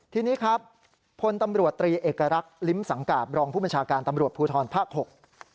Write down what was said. ทีนี้ครับพลตำรวจตรีเอกลักษณ์ลิ้มสังกาบรองผู้บัญชาการตำรวจภูทรภาคหก